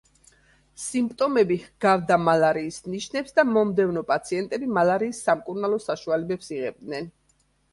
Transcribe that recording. სიმპტომები ჰგავდა მალარიის ნიშნებს და მომდევნო პაციენტები მალარიის სამკურნალო საშუალებებს იღებდნენ.